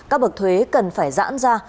các bậc thuế cần phải giãn ra